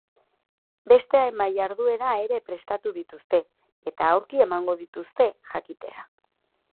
Beste hainbat jarduera ere prestatu dituzte, eta aurki emango dituzte jakitera.